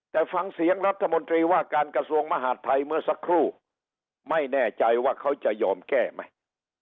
แต่ฟังเสียงรัฐมนตรีว่าการกระทรวงมหาดไทยเมื่อสักครู่ไม่แน่ใจว่าเขาจะยอมแก้ไหม